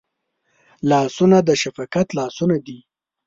لاسونه د شفقت لاسونه دي